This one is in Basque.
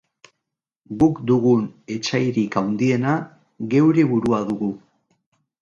Guk dugun etsairik handiena, geure burua dugu